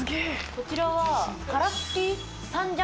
こちらは。